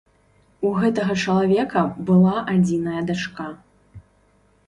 У гэтага чалавека была адзіная дачка.